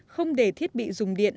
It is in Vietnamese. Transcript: không để thiết bị dùng điện